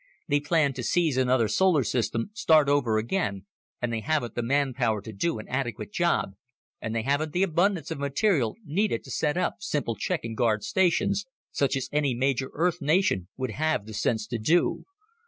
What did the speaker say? They plan to seize another solar system, start over again, and they haven't the manpower to do an adequate job and they haven't the abundance of material needed to set up simple check and guard stations, such as any major Earth nation would have the sense to do."